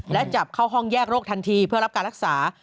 และจับเข้าห้องแยกโรคทันทีเพื่อรับการรักษา